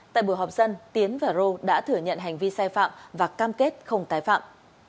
tại buổi họp dân tiến và rô đã thử nhận hành vi sai phạm và cam kết không tái phạm